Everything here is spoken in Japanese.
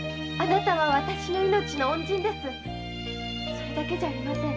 それだけじゃありません。